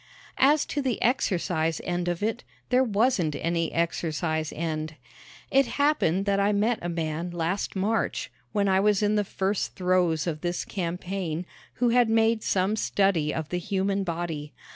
As to the exercise end of it, there wasn't any exercise end. It happened that I met a man last March, when I was in the first throes of this campaign, who had made some study of the human body.